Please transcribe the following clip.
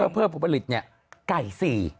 เพื่อผลผลิตไก่๔